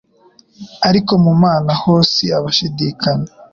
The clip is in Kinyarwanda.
ariko ku Mana ho si ibishidikanywa